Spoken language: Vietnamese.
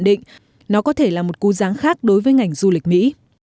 định nó có thể là một cú ráng khác đối với ngành du lịch mỹ